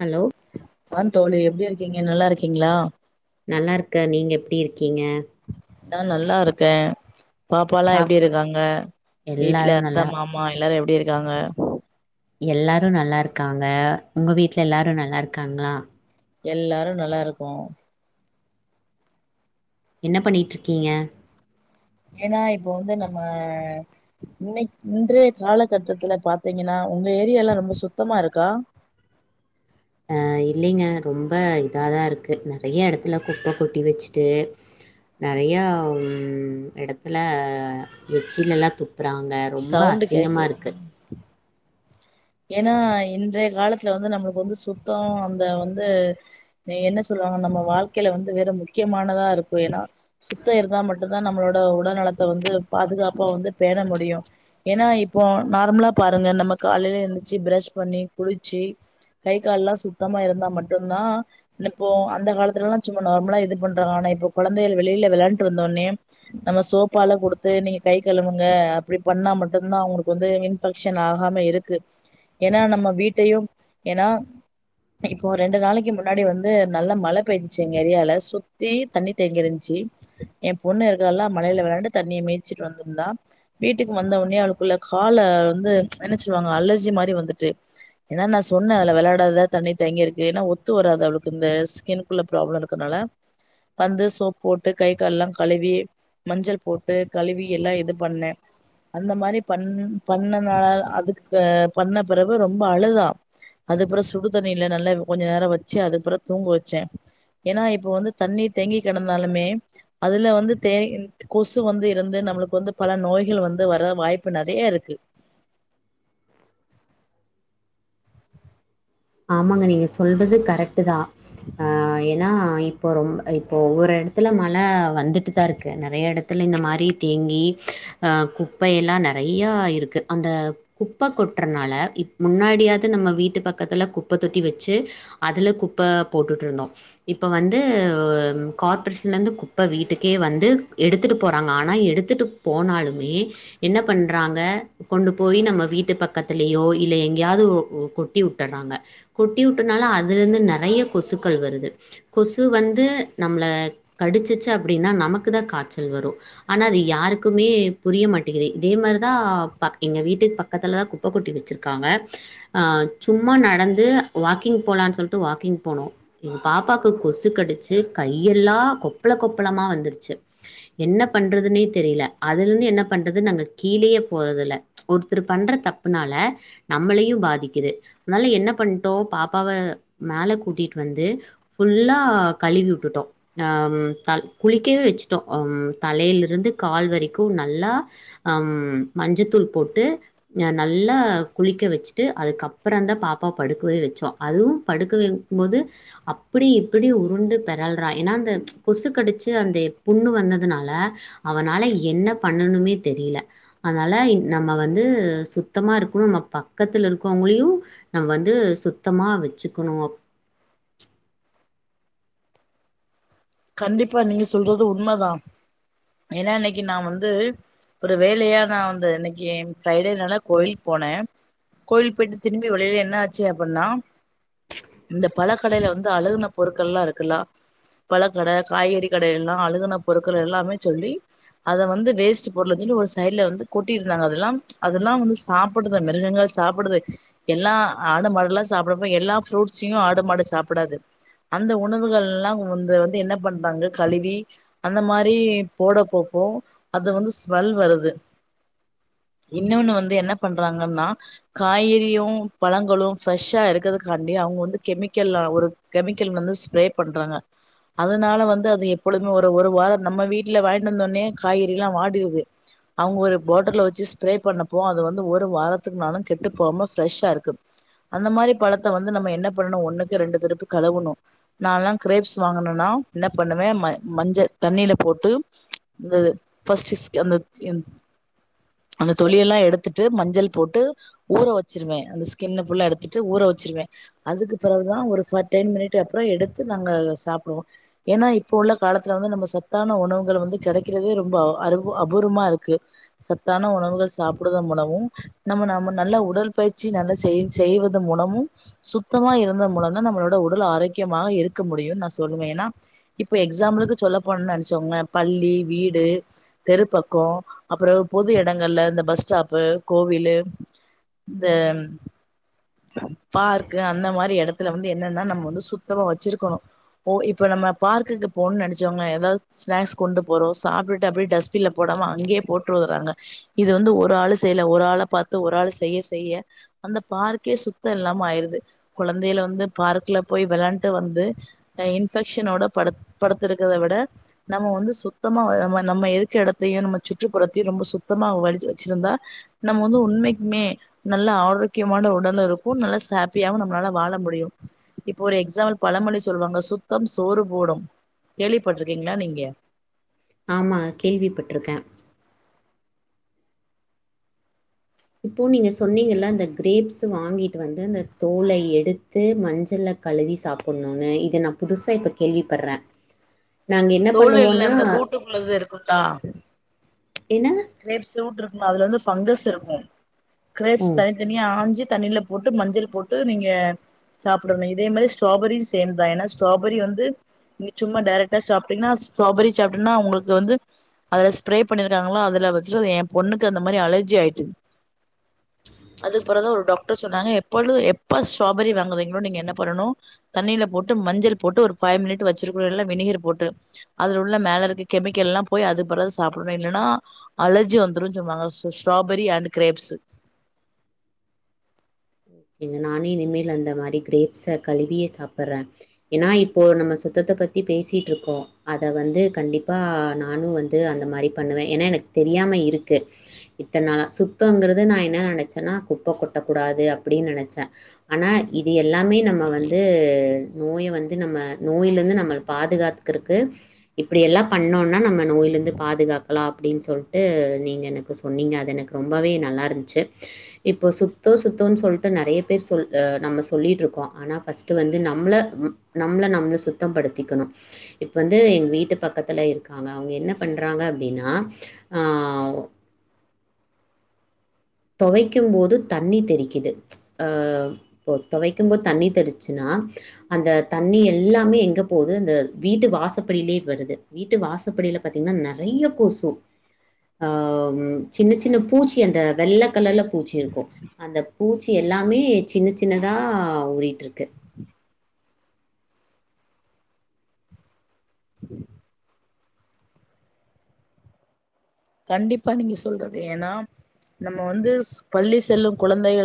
hello வாந் தோழி எப்புடி இருக்கீங்க நல்லா இருக்கீங்களா நல்லா இருக்க நீங்க எப்டி இருக்கீங்க நா நல்லா இருக்கே பாப்பால்லா சாப் எப்டி இருக்காங்க எல்லாரு வீட்ல அத்த நல்லா மாம் மா எல்லாரு எப்டி இருக்காங்க எல்லாரு நல்லா இருக்காங்க உங்க வீட்ல எல்லாரு நல்லா இருக்காங்களா எல்லாரு நல்லா இருக்கோ என்ன பண்ணிகிட்ருக்கீங்க ஏன்னா இப்போ வந்து நம்ம நீங் இன்றைய காலகட்டத்துல பாத்தீங்கன்னா உங்க ஏரியால்லா ரொம்ப சுத்தமா இருக்கா அ இல்லேங்க ரொம்ப இதாதா இருக்கு நெறையா எடத்துல குப்ப கொட்டி வச்சுட்டு நெறைய ம் எடத்துல எச்சிலெல்லாம் துப்பு ப்புறாங்க ரொம்ப சவுண்டு அசிங்கமா கேக்கு இருக்கு ஏன்னா இன்றைய காலத்துல வந்து நம்பளுக்கு வந்து சுத்தோ அந்த வந்து நே என்ன சொல்லுவாங்க நம்ம வாழ்க்கையில வந்து வேற முக்கியமானதா இருக்கு ஏன்னா சுத்தோ இருந்தா மட்டுந்தா நம்மளோட உடல் நலத்த வந்து பாதுகாப்பா வந்து பேண முடியும் ஏன்னா இப்போ நார்மலா பாருங்க நம்ம காலையில எந்துருச்சு ப்ரஷ் பண்ணி குளிச்சு கை கால்லா சுத்தமா இருந்தா மட்டுந்தா அனுப்புவோ அந்த காலத்துல எல்லாம் சும்மா நார்மலா இது பண்றாங்க ஆனா இப்ப கொழந்தைகள் வெளியில வெளாண்டுட்டு வந்தோன்னே நம்ம சோப்பால குடுத்து நீங்க கை கழுவுங்க அப் அப்டி பண்ணா மட்டுந்தா அவுங்களுக்கு வந்து இன்ஃபெக்ஷன் ஆகாம இருக்கு ஏனா நம்ம வீட்டையும் ஏனா இப்போ ரெண்டு நாளைக்கு முன்னாடி வந்து நல்லா மழ பெய்ஞ்சிச்சு எங்க ஏரியால சுத்தி தண்ணி தேங்கியிருந்துச்சு ஏ பொண்ணு இருக்குறதல்ல மழையில வெளாண்டு தண்ணிய மீச்சுட்டு வந்துருந்தா வீட்டுக்கு வந்த ஒட்னே அவளுக்குள்ள கால்ல வந்து என்ன சொல்லுவாங்க அலர்ஜி மாரி வந்துட்டு ஏன்னா நா சொன்னே அதுல வெளாடாத தண்ணி தேங்கியிருக்கு ஏன்னா ஒத்து வராது அவளுக்கு இந்த ஸ்கினுக் க்குள்ள ப்ராப்ளம் இருக்கனால வந்து சோப்பு போட்டு கை கால்லா கழுவி மஞ்சள் போட்டு கழுவி எல்லா இது பண்ணே [unintelligible] அந்த மாரி பண்ணு பண்ணுனால அதுக்கு பண்ண பெறவு ரொம்ப அழுதா அது அப்புறோ சுடு தண்ணில நல்லா கொஞ்ச நேரோ வச்சு அதுக்கு பெறகு தூங்க வச்சே ஏன்னா இப்ப வந்து தண்ணீர் தேங்கிக் கெடந்தாலுமே அதுல வந்து தே கொசு வந்து இருந்து நம்மளுக்கு வந்து பல நோய் ய்கள் வந்து வர வாய்ப்பு நெறையா இருக்கு ஆமாங்க நீங்க சொல்றது கரெக்ட்டு தா ஆ ஏன்னா இப்போ ரொம்ப இப்போ ஒவ்வொரு எடத்துல மழ வந்துட்டு தா இருக்கு நெறையா எடத் டத்துல இந்த மாரி தேங்கி ஆ குப்பை எல்லா நெறையா இருக்கு அந்த குப்ப கொட்றனால இப்ப முன்னாடியாவது நம்ம வீட்டு பக் கத்துல குப்ப தொட்டி வச்சு அதுல குப்பை போட்டுட்டு இருந்தோம் இப்ப வந்து கார்ப்பரேஷன்லருந்து குப்ப வீட்டுக்கே வந்து எடுத்துட்டு போறனால எடுத்துட்டு போனாலுமே என்ன பண்றாங்க கொண்டு போய் நம்ம வீட்டு பக்கத்துலயோ இல்ல எங்கேயாவது ஒ ஒ கொட்டி விட்றாங்க கொட்டி விட்டனால அதுலருந்து நெறைய கொசுக்கள் வருது கொசு வந்து நம்மள கடிச்சிச்சு அப்டின்னா நமக்கு தான் காச்சல் வரும் ஆனா அது யாருக்குமே புரிய மாட்டேங்குது இதே மாரிதான் பக் எங்க வீட்டுக்கு பக் கத்தில தான் குப்ப கொட்டி வச்சிருக்காங்க ஆ சும்மா நடந்து வாக்கிங் போலான்னு சொல்லிட்டு வாக்கிங் போனோம் எங்க பாப்பாக்கு கொசு கடிச்சு கையெல்லாம் கொப்பள கொப்பளமா வந்துருச்சு என்ன பண்றதுன்னே தெரில அதுல இருந்து என்ன பண்றது நாங்க கீழேயே போறதில்ல ஒருத்தர் பண்ற தப்புனால நம்மளையும் பாதிக்குது அதனால என்ன பண்ட்டோம் பாப்பாவ மேல கூட்டிட்டு வந்து ஃபுல்லா கழுவி விட்டுட்டோம் அ ம் த குளிக்கவே வச்சுட்டோம் அம் தலையிலருந்து கால் வரேக்கும் நல்லா அம் மஞ்சத்தூள் போட்டு நல்லா குளிக்க வச்சுட்டு அதுக்கப் அப்ரோந்தா பாப்பாவ படுக்கவே வச்சோம் அதுவும் படுக்க வைக்கும்போது அப்டி இப்டி உருண்டு பெறல்றா ஏன்னா அந்த கொசு கடிச்சு அந்த புண்ணு வந்ததுனால அவனால என்ன பண்ணனுமே தெரில அதனால நம்ப வந்து சுத்தமா இருக்கணும் நம்ம பக்கத்துலருக்கவுங்களயும் நா வந்து சுத்தமா வச்சுக்கொணும் கண்டிப்பா நீங்க சொல்றது உண்மைதா ஏன்னா இன்னைக்கு நா வந்து ஒரு வேலையா நா வந்து இன்னைக்கி ஃப்ரைடேனால கோயில்க்கு போனேன் கோவில்க்கு போயிட்டு திரும்பி வரையில என்ன ஆச்சி அப்டினா இந்த பழ கடைல வந்து அழுகுன பொருக்கள்லாம் இருக்குல்ல பழக்கட காய்கறி கடைலல்லாம் அழுகுன பொருக்கள் எல்லாமேச் சொல்லி அத வந்து வேஸ்ட் பொருளுனுசொல்லி ஒரு சைட்ல வந்து கொட்டிர்ந்தாங்க அதெல்லாம் அதுல்லாம் வந்து சாப்டுது மிருகங்கள் சாப்டுது எல்லா ஆடு மாடேல்லாம் சாப்றப்ப எல்லா ஃப்ரூட்ஸ்யும் ஆடு மாடு சாப்டாது அந்த உணவுகள்லாம் கொண்டு வந்து என்ன பண்றாங்க கழுவி அந்த மாரி போட போப்போ அது வந்து ஸ்மெல் வருது இன்னொன்னு வந்து என்ன பண்றாங்கன்னா காய்கறியும் பழங்களும் ஃப்ரெஷ்ஷா இருக்கதுக்காண்டி அவுங்க வந்து கெமிக்கல் ஆ ஒரு கெமிக்கல் வந்து ஸ்ப்ரே பண்றாங்க அதுனால வந்து அது எப்பொழுவுமே ஒரு ஒரு வாரம் நம்ம வீட்ல வாய்ண்டந்தோட்னயே காய்கறிலாம் வாடிருது அவுங்க ஒரு பாட்டல்ல வச்சி ஸ்ப்ரே பண்ணப் போம் அது வந்து ஒரு வாரத்துக்குனாலும் கெட்டு போவாம ஃப்ரெஷ்ஷாருக்கு அந்த மாரி பழத்த வந்து நம்ம என்ன பண்ணணும் ஒன்னுக்கு ரெண்டு திருப்பு கழுவுணும் நால்லாம் க்ரேப்ஸ் வாங்குனேன்னா என்ன பண்ணுவேன் ம மஞ்ச தண்ணில போட்டு ந்து ஃபஸ்ட்டிஸ் [unintelligible] அந்த தொலியல்லாம் எடுத்துட்டு மஞ்சள் போட்டு ஊற வச்சுருவேன் அந்த ஸ்கின்ன ஃபுல்லா எடுத்துட்டு ஊற வச்சுருவேன் அதுக்குப் பெறவுதான் ஒரு ஃப டென் மினிட்டுக் கப்புறம் எடுத்து நாங்க சாப்டுவோம் ஏன்னா இப்ப உள்ள காலத்துல வந்து நம்ம சத்தான உணவுகள் வந்து கெடைக்கிறதே ரொம்ப அரு அபூர்வமாருக்கு சத்தான உணவுகள் சாப்புடுத மூலவு நம்ம நம்ம நல்ல உடல்பயிற்சி நல்லா செய் செய்வது மூலமு சுத்தமா இருந்தா மூலம்தா நம்மளோட உடல் ஆரோக்கியமாக இருக்க முடியு நா சொல்லுவே ஏன்னா இப்ப எக்ஸாம்பிளுக்கு சொல்ல போன நென்ச்சோங்ளே பள்ளி வீடு தெருப் பக்கோ அப்றோ பொது எடங்கள்ல இந்த பஸ் ஸ்டாப்பு கோவிலு இந்த பார்க்கு அந்த மாரி எடத்துல வந்து என்னன்னா நம்ம வந்து சுத்தமா வச்சிருக்கணு பொ இப்ப நம்ம பார்க்குக்கு போனு நெனச்சுக்கோங்ளே எதாவ்து ஸ்நக்ஸ் கொண்டு போறோ சாப்ட்டுட்டு அப்டி டஸ்பின்ல போடாம அங்கயே போட்டு வர்றாங்க இத வந்து ஒரு ஆளு செய்யல ஒரு ஆள பாத்து ஒரு ஆளு செய்ய செய்ய அந்த பார்க்கே சுத்த இல்லாம ஆயிருது கொழந்தையல வந்து பார்க்குல போய் வெளாண்ட்டு வந்து அ இன்ஃபெக்ஷனோட படுத் படுத்துருக்கத விட நம்ம வந்து சுத்தமா வ நம்ம நம்ம இருக்க எடத்தயு நம்ம சுற்றுப்புறத்தையு ரொம்ப சுத்தமா வலிச்சி வச்சிருந்தா நம்ம வந்து உண்மக்மே நல்ல ஆரோக்கியமான உடலு இருக்கு நல்லா சப்பியாவு நம்மளால வாழ முடியு இப்ப ஒரு எக்ஸாம்பிள் பழமொழி சொல்லுவாங்க சுத்த சோறு போடு கேள்விப்பட்ருக்கீங்களா நீங்க ஆமா கேள்விப்பட்ருக்கே இப்போ நீங்க சொன்னீங்கல்ல அந்த கிரேப்ஸ் வாங்கிட்டு வந்து அந்த தோல எடுத்து மஞ்சள்ல கழுவி சாப்புட்ணுன்னு இத நா புதுசா இப்ப கேள்விப்பட்றே தோலு இல்ல இந்த ரூட்டுக்குள்ளது இருக்குல்லா என்ன கிரேப்ஸ்ட்டு ரூட் இருக்கு அதுல வந்து பஃபங்கஸ் இருக்கு கிரேப்ஸ் ம் தனி தனியா ஆஞ்சி தண்ணில போட்டு மஞ்சள் போட்டு நீங்க சாப்டணு இதே மாரி ஸ்ட்ராபெரியு சேம் தா என்னா ஸ்ட்ராபெரி வந்து நீங்க சும்மா டைரக்டா சாப் டிங்கன்னா ஸ்ட்ராபெரி சாப்ட்டான்னா உங்களுக்கு வந்து அது ஸ்ப்ரே பண்ணிருக்காங்களா அதுல வச்சுட்டு எ பொண்ணு அந்த மாரி அலர்ஜி ஆயிட்டு அதுக்குப்பிற தா ஒரு டாக்டர் சொன்னாங்க எப்பொழுது எப்பா ஸ்ட்ராபெரி வாங்குதீங்களோ நீங்க என்ன பண்ணணு தண்ணியில போட்டு மஞ்சள் போட்டு ஒரு ஃபைவ் மினிட் வச்சிருக்க நல்ல வினிகர் போட்டு அதுல உள்ள மேல இருக்கு கெமிக்கல் எல்லா போய் அது பறகுது சாப்ட்டணு இல்லைன்னா அலர்ஜி வந்துரும்ன்னு சொன்னாங்க ஸ்ட்ராபெரி அண்ட் கிரேப்ஸ் இல்ல நானே இனிமேல் அந்த மாரி கிரேப்ஸ கழுவியே சாப்ட்றே ஏன்னா இப்போ நம்ம சுத்தத்த பத்தி பேசிட்டு இருக்கோ அத வந்து கண்டிப்பா நானு வந் து அந்த மாரி பண்ணுவே ஏன்னா எனக் தெரியாம இருக்கு இத்தனால சுத்தங்கிறது நா என்ன நெனச்சேன்னா குப்ப கொட்டக்கூடாது அப்டின்னு நெனச்சே ஆனா இது எல்லாமே நம்ம வந்து நோய வந்து நம்ம நோய்லேருந்து நம்ம பாதுகாத்துக்கிறதுக்கு இப்டி எல்லா பண்ணோனா நம்ம நோய்லிருந்து பாதுகாக்கலா அப்டின்னு சொல்ட்டு நீங்க எனக்கு சொன்னீங்க அது எனக்கு ரொம்பவே நல்லா இருந்துச்சு இப்போ சுத்தோ சுத்தோன்னு சொல் ட்டு நெறைய பேர் நம்ம சொல் ஆ நம்ம சொல்லிட்டு இருக்கோ ஆனா ஃபர்ஸ்ட் வந்து நம்ள ம் நம்மள நம்ம சுத் தம் படுத்திக்கணு இப்போ வந்து எங்க வீட்டு பக்கத்துல இருக்காங்க அவுங்க என்ன பண்றாங்க அப்டின்னா ஆ தோவைக்கு போது தண்ணி தெரிக்குது ஆ இப்போ தோவைக்குபோது தண்ணி தெரிச்சுனா அந்த தண்ணி எல்லாமே எங்க போது அந்த வீட்டு வாசப்படியிலியே வருது வீட்டு வாசப்படியில பாத்தீங்கன்னா நெறைய கொசு அ ம் சின்ன சின்ன பூச்சி அந்த வெள்ள கலர்ல பூச்சி இருக்கு அந்த பூச்சி எல்லாமே சின்ன சின்னதா உறிட்டுருக்கு [inaudible] கண்டிப்பா நீங்க சொல்றது ஏனா நம்ம வந்து பள்ளி செல்லு குழந்தைகள்